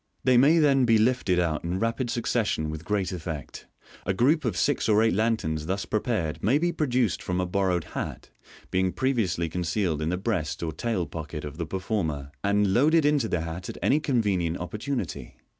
They may then De lifted out in rapid succession with great effect. A group of six or eight lanterns thus prepared may be produced from a borrowed hat, being previously con cealed in the breast or tail pocket of the performer, and " loaded M into the hat at any convenient opportunity.